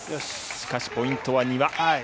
しかしポイントは丹羽。